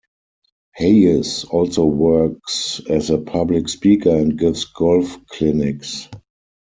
Hayes also works as a public speaker and gives golf clinics.